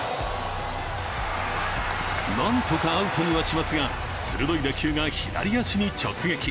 なんとかアウトにはしますが、鋭い打球が左足に直撃。